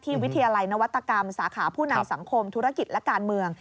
วิทยาลัยนวัตกรรมสาขาผู้นำสังคมธุรกิจและการเมือง